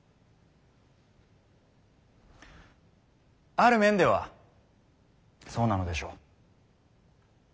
ある面ではそうなのでしょう。